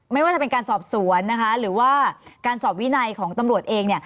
ไม่ว่าจะเป็นการสอบสวนนะคะหรือว่าการสอบวินัยของตำรวจเอง